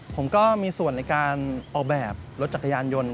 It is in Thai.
ผมก็มีส่วนในการออกแบบรถจักรยานยนต์